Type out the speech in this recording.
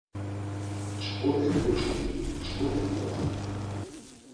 Mçxu eǩunçxum, mçxu eǩuğam.